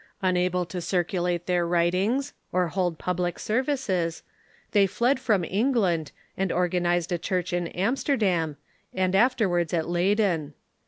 Unable to circulate their writings or hold public services, they fled from England, and organized a Church in Amsterdam, and afterwards in Leyden.